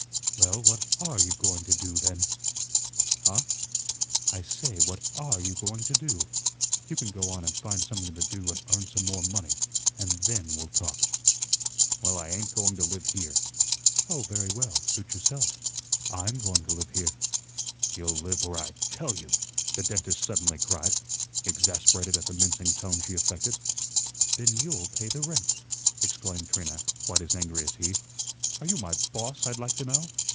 "Well, what ARE you going to do, then?" "Huh?" "I say, what ARE you going to do? You can go on and find something to do and earn some more money, and THEN we'll talk." "Well, I ain't going to live here." "Oh, very well, suit yourself. I'M going to live here." "You'll live where I TELL you," the dentist suddenly cried, exasperated at the mincing tone she affected. "Then YOU'LL pay the rent," exclaimed Trina, quite as angry as he. "Are you my boss, I'd like to know?